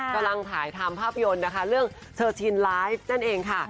กำลังถ่ายทำภาพยนตร์นะคะเรื่องเธอชินไลฟ์นั่นเองค่ะ